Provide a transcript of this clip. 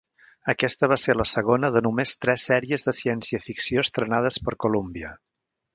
Aquesta va ser la segona de només tres series de ciència ficció estrenades per Columbia.